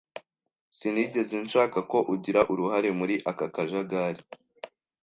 Sinigeze nshaka ko ugira uruhare muri aka kajagari.